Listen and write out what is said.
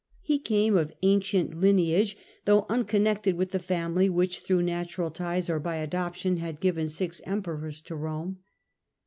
He came of ancient lineage, though A.D. 6S 69. Galba, m unconnected with the family which through natural ties or by adoption had given six emperors to Rome.